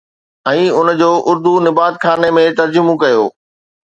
۽ ان جو اردو نباتخاني ۾ ترجمو ڪيو